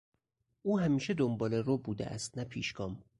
او همیشه دنبالهرو بوده است نه پیشگام.